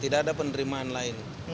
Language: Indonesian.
tidak ada penerimaan lain